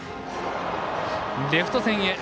レフト線へ。